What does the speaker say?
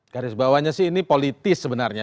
garis bawahnya sih ini politis sebenarnya